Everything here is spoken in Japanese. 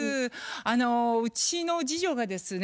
あのうちの次女がですね